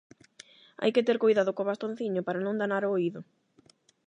Hai que ter coidado co bastonciño para non danar o oído.